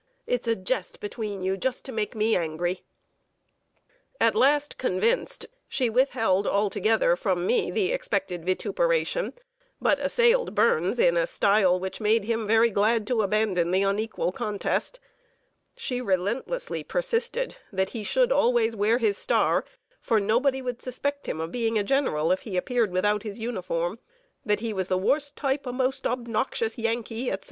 It's a jest between you just to make me angry." At last convinced, she withheld altogether from me the expected vituperation, but assailed Burns in a style which made him very glad to abandon the unequal contest. She relentlessly persisted that he should always wear his star, for nobody would suspect him of being a general if he appeared without his uniform that he was the worst type of the most obnoxious Yankee, etc.